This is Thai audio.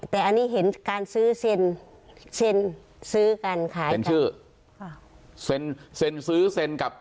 แต่อันนี้เห็นการซื้อเซ็น